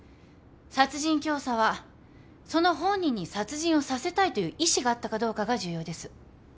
殺人教唆はその本人に殺人をさせたいという意思があったかどうかが重要です。